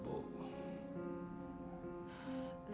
bapak bisa bangkrut bu